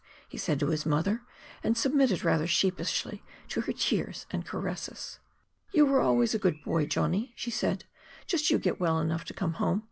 he said to his mother, and submitted rather sheepishly to her tears and caresses. "You were always a good boy, Johnny," she said. "Just you get well enough to come home.